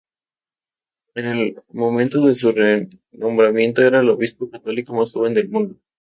En el momento de su nombramiento era el obispo católico más joven del mundo.